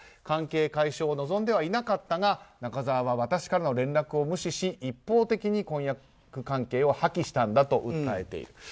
関係解消を望んではいなかったが中澤は私からの連絡を無視し一方的に婚約関係を破棄したんだと訴えている。